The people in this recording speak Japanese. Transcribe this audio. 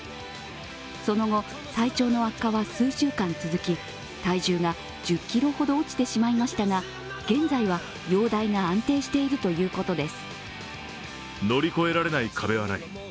その後、体調の悪化は数週間続き、体重が１０ｋｇほど落ちてしまいましたが現在は容体が安定しているということです。